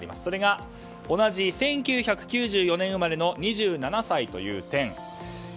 それが同じ１９９４年生まれの２７歳という点。